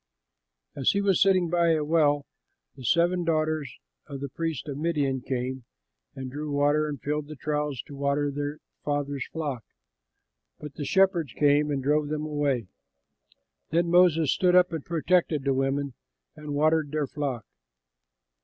As he was sitting by a well, the seven daughters of the priest of Midian came and drew water and filled the troughs to water their father's flock, but the shepherds came and drove them away. Then Moses stood up and protected the women and watered their flock.